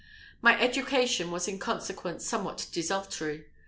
My education was in consequence somewhat desultory.